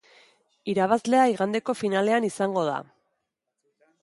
Irabazlea igandeko finalean izango da.